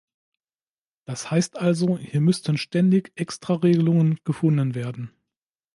Das heißt also, hier müssten ständig Extraregelungen gefunden werden.